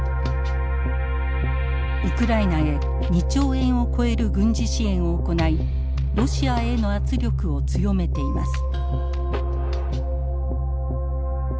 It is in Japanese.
ウクライナへ２兆円を超える軍事支援を行いロシアへの圧力を強めています。